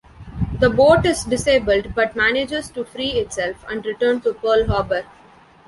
The boat is disabled but manages to free itself and return to Pearl Harbor.